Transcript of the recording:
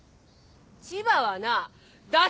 千葉はなダ